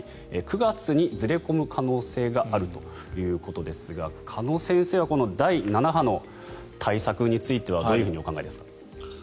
９月にずれ込む可能性があるということですが鹿野先生は第７波の対策についてはどうお考えですか。